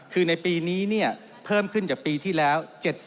คือในปีนี้เพิ่มขึ้นจากปีที่แล้ว๗๐